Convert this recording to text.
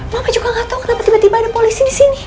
mama juga gak tahu kenapa tiba tiba ada polisi di sini